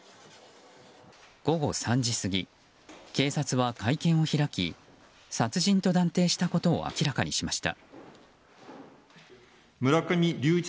午後３時過ぎ、警察は会見を開き殺人と断定したことを明らかにしました。